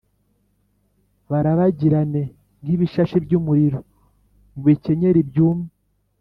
barabagirane nk’ibishashi by’umuriro mu bikenyeri byumye.